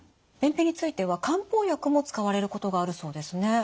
便秘については漢方薬も使われることがあるそうですね。